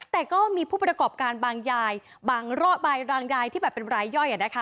แต่ก็มีผู้ประกอบการบางยายบางยายที่แบบเป็นรายย่อย